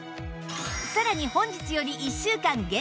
さらに本日より１週間限定